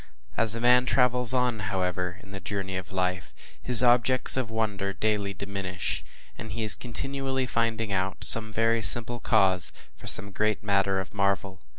As a man travels on, however, in the journey of life, his objects of wonder daily diminish, and he is continually finding out some very simple cause for some great matter of marvel.